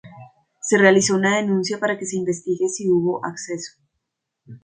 Se realizó una denuncia para que se investigue si hubo acceso